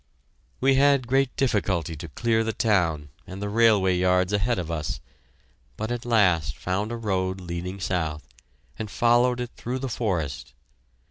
We had great difficulty to clear the town and the railway yards ahead of us, but at last found a road leading south, and followed it through the forest.